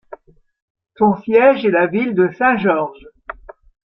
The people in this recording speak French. Son siège est la ville de Saint George.